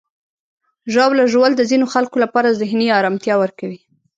ژاوله ژوول د ځینو خلکو لپاره ذهني آرامتیا ورکوي.